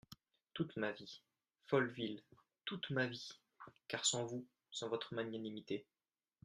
Toute ma vie, Folleville, toute ma vie ! car sans vous… sans votre magnanimité…